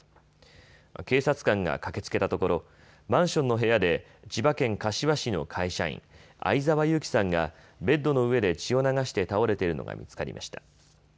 警察官が駆けつけたところマンションの部屋で千葉県柏市の会社員、相澤勇樹さんがベッドの上で血を流して倒れているのが見つかりました。